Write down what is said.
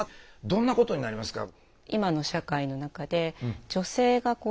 どんなことになりますか？